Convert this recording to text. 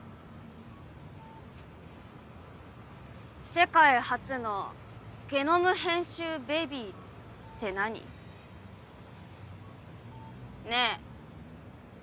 世界初のゲノム編集ベビーって何？ねぇ。